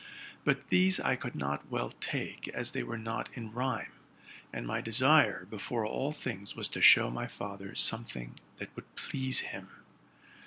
But these I could not well take, as they were not in rhyme; and my desire before all things was to show my father something that would please him.